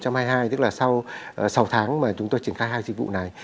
năm hai nghìn hai mươi hai tức là sau sáu tháng mà chúng tôi triển khai hai dịch vụ này